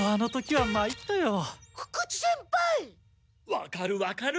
わかるわかる。